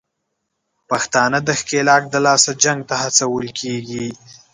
پښتانه د ښکېلاک دلاسه جنګ ته هڅول کېږي